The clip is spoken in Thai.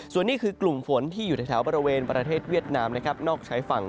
ส่วนนี้คือกลุ่มฝนที่อยู่ในแถวบริเวณประเทศเวียดนามนะครับนอกใช้ฝั่ง